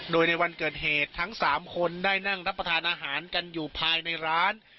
โดยในวันเกิดเหตุทั้ง๓คนได้นั่งรับประทานอาหารกันอยู่ภายในร้าน